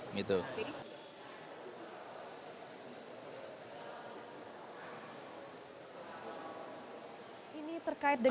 ini terkait dengan